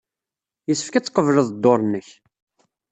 Yessefk ad tqebled dduṛ-nnek.